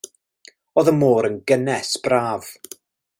O'dd y môr yn gynnes braf.